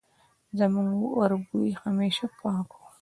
زموږ وربوی همېشه پاک وو